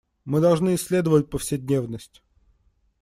Мы должны исследовать повседневность.